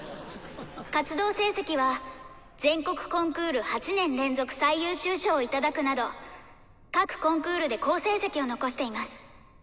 活動成績は全国コンクール８年連続最優秀賞を頂くなど各コンクールで好成績を残しています。